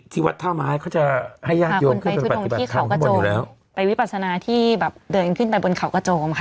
ที่วัดท่า้ม้าเขาจะให้ยามโยงไปพริกฎิปัสนาที่แบบเดินขึ้นไปบนข่าวกระโจมค่ะ